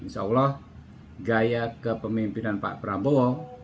insya allah gaya kepemimpinan politik sipil ini akan diimplementasikan